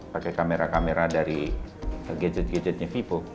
pakai kamera kamera dari gadget gadgetnya vivo